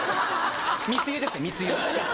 密輸ですね密輸。